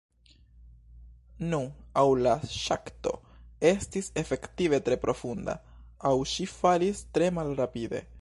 Nu, aŭ la ŝakto estis efektive tre profunda, aŭ ŝi falis tre malrapide.